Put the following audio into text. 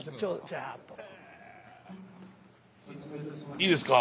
いいですか？